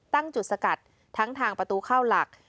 ตั้งจุดสกัดทั้งทางประตูเข้าหลัก